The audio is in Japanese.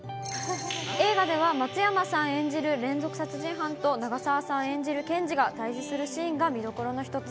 映画では松山さん演じる連続殺人犯と、長澤さん演じる検事が対じするシーンが見どころの一つ。